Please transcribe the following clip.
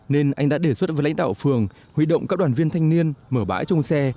nên anh đã đề xuất với lãnh đạo phường huy động các đoàn viên thanh niên mở bãi trong xe